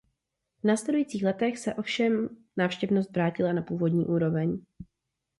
V následujících letech se ovšem návštěvnost vrátila na původní úroveň.